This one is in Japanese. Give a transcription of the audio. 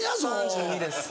３２です。